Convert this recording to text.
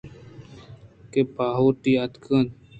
کہ باہوٹی اتکگ